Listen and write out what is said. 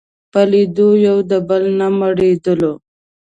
په لیدلو یو د بل نه مړېدلو